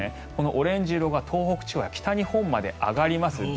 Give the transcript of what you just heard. このオレンジ色が東北地方や北日本まで上がります。